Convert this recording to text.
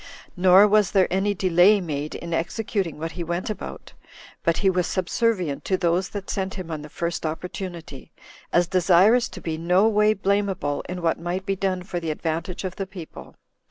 Nor was there any delay made in executing what he went about, but he was subservient to those that sent him on the first opportunity, as desirous to be no way blameable in what might be done for the advantage of the people.